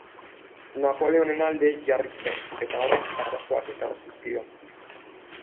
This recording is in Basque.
Napoleonen alde jarri zen, eta horrek arazoak ekarri zizkion.